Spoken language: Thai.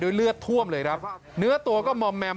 เลือดท่วมเลยครับเนื้อตัวก็มอมแมม